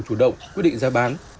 chủ động quyết định giá bán